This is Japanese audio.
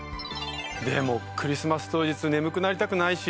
でもクリスマス当日眠くなりたくないし。